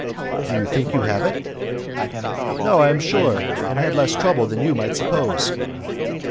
"Do you think you have it?" "No, I am sure; and had less trouble than you might suppose."